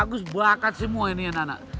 bagus bakat semua ini anak anak